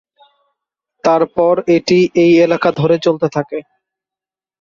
তারপর এটি ওই এলাকা ধরে চলতে থাকে।